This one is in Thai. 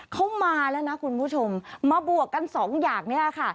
เขามาแล้วนะคุณผู้ชมมาบวกกันสองอย่างนี้แหละค่ะ